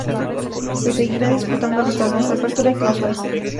Se seguirá disputando los torneos Apertura y Clausura.